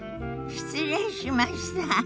失礼しました。